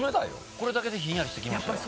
これだけでひんやりしてきましたよ